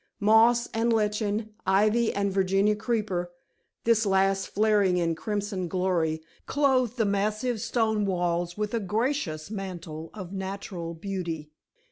Moss and lichen, ivy and Virginia creeper this last flaring in crimson glory clothed the massive stone walls with a gracious mantle of natural beauty.